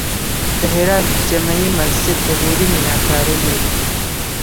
د هرات جمعې مسجد د غوري میناکاري لري